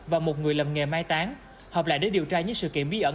và một người làm nghề mai tán hợp lại để điều tra những sự kiện bí ẩn